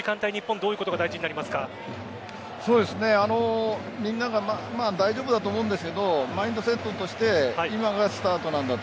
どういうことが大丈夫だと思うんですがマインドセットとして今がスタートなんだと。